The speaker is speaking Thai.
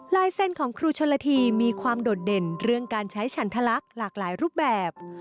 ลายเส้นของครูชนละทีมีความโดดเด่นเรื่องการใช้ฉันทะลักษณ์หลากหลายรูปแบบ